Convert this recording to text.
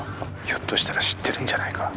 「ひょっとしたら知ってるんじゃないか？」